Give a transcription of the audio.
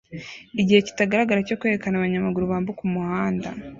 Igihe kitagaragara cyo kwerekana abanyamaguru bambuka umuhanda